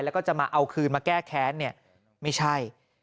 แล้วก็จะมาเอาคืนมาแก้แค้นเนี่ยไม่ใช่